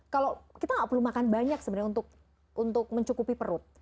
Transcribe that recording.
kalau kita nggak perlu makan banyak sebenarnya untuk mencukupi perut